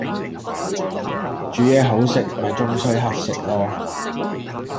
煮嘢好食咪終須乞食囉